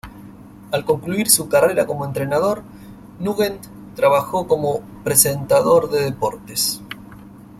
Al concluir su carrera como entrenador, Nugent trabajó como presentador de deportes.